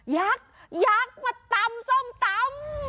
ยักษ์ยักษ์มาตำส้มตำ